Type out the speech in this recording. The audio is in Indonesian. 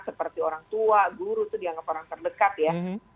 seperti orang tua guru itu dianggap orang terdekat ya